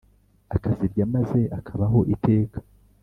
akazirya maze akabaho iteka